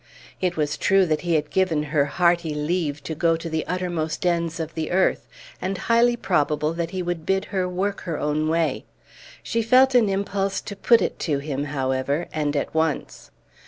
It was true that he had given her hearty leave to go to the uttermost ends of the earth, and highly probable that he would bid her work her own way. She felt an impulse to put it to him, however, and at once.